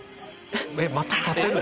また立てるの？